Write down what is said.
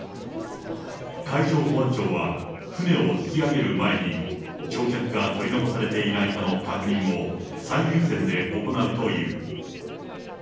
海上保安庁は、船を引き揚げる前に、乗客が取り残されていないかの確認を最優先で行うという。